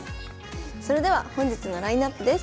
それでは本日のラインナップです。